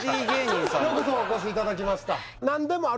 ようこそお越しいただきました